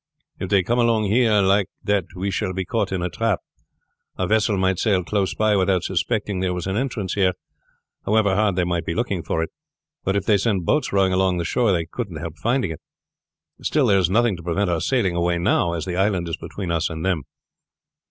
If they come along here like that we shall be caught in a trap. A vessel might sail close by without suspecting there was an entrance here, however hard they might be looking for it; but if they send boats rowing along the shore they couldn't help finding it. Still, there is nothing to prevent our sailing away now, as the island is between us and them."